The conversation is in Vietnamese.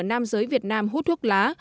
từ năm giới việt nam hút thuốc lá